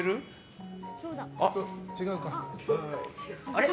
あれ？